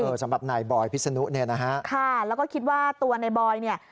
สำหรับนายบอยพิษนุเนี่ยนะฮะค่ะแล้วก็คิดว่าตัวในบอยเนี่ย